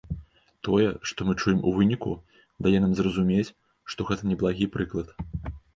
Тое, што мы чуем у выніку, дае нам зразумець, што гэта неблагі прыклад.